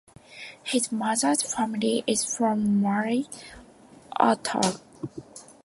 His mother's family is from Murray, Utah.